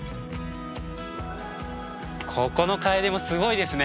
ここのカエデもすごいですね。